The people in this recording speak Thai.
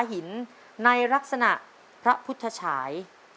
หินในลักษณะพระพุทธฉาย